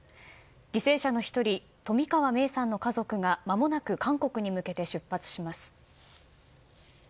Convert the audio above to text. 犠牲者の１人冨川芽生さんの家族がまもなく韓国に向けて出発します。